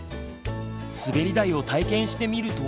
すべり台を体験してみると。